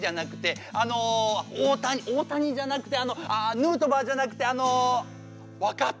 あの大谷大谷じゃなくてあのヌートバーじゃなくてあの分かった！